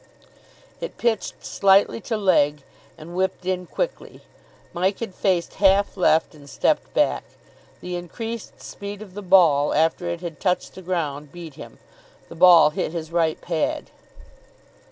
It pitched slightly to leg, and whipped in quickly. Mike had faced half left, and stepped back. The increased speed of the ball after it had touched the ground beat him. The ball hit his right pad.